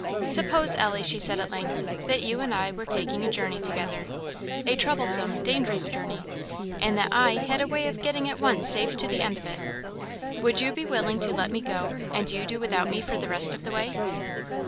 "Suppose Ellie," she, said at length, "that you and I were taking a journey together a troublesome, dangerous journey and that I had a way of getting at once safe to the end of it; would you be willing to let me go, and you do without me for the rest of the way?"